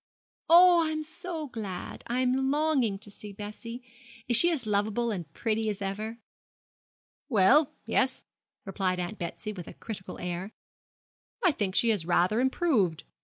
'Oh, I am so glad! I am longing to see Bessie. Is she as lovable and pretty as ever?' 'Well, yes,' replied Aunt Betsy, with a critical air; 'I think she has rather improved.